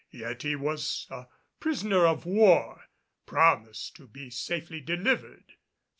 Yet he was a prisoner of war, promised to be safely delivered.